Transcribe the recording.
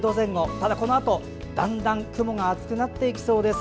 ただ、このあとだんだん雲が厚くなっていきそうです。